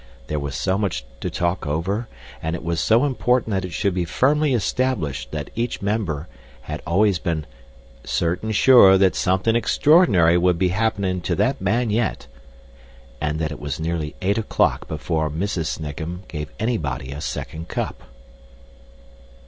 There was so much to talk over, and it was so important that it should be firmly established that each member had always been "certain sure that something extraordinary would be happening to that man yet," that it was nearly eight o'clock before Mrs. Snigham gave anybody a second cup.